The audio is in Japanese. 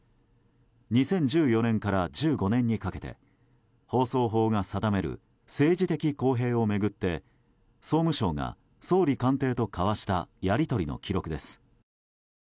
２０１４年から１５年にかけて放送法が定める政治的公平を巡って総務省が総理官邸と交わしたやり取りの記録です。